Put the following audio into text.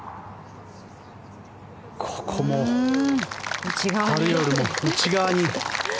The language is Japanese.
ここも誰よりも内側に。